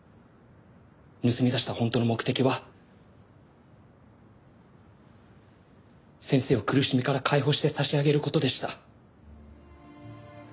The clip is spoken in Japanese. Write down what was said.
盗み出した本当の目的は先生を苦しみから解放して差し上げる事でした。